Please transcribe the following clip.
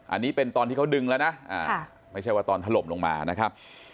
อันนี้เป็นตอนที่เขาดึงแล้วนะไม่ใช่ว่าตอนถล่มลงมานะครับ